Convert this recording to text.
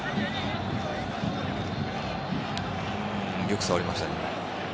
よく触りましたね、今。